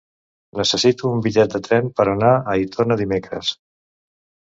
Necessito un bitllet de tren per anar a Aitona dimecres.